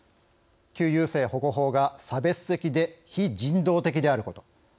旧優生保護法が差別的で非人道的であること